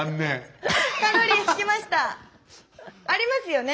ありますよね？